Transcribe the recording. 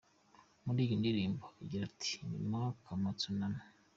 Muri iyi ndirimbo agira ati “Nyuma kama Tsunami.